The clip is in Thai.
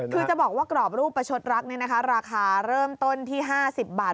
คือจะบอกว่ากรอบรูปประชดรักราคาเริ่มต้นที่๕๐บาท